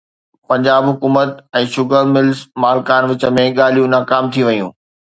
پنجاب حڪومت ۽ sugar mills مالڪن وچ ۾ ڳالهيون ناڪام ٿي ويون